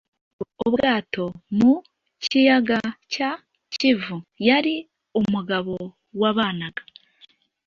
ubwato mu Kiyaga cya Kivu Yari umugabo wabanaga